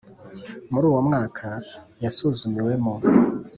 muri uwo mwaka yasuzumiwemo.